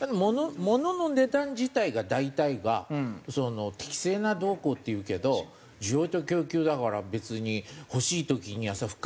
ものの値段自体が大体がその適正などうこうって言うけど需要と供給だから別に欲しい時にはさ吹っかけて。